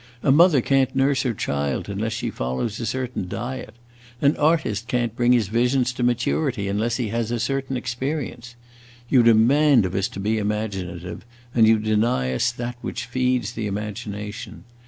A mother can't nurse her child unless she follows a certain diet; an artist can't bring his visions to maturity unless he has a certain experience. You demand of us to be imaginative, and you deny us that which feeds the imagination.